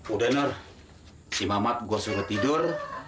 udah nur si mamat gue suruh tidur